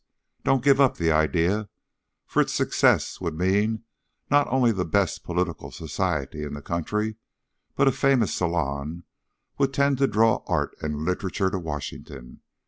Don't give up the idea, for its success would mean not only the best political society in the country, but a famous salon would tend to draw art and literature to Washington.